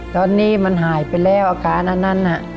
ตอนนี้มันหายไปแล้วอาการอันนั้นน่ะ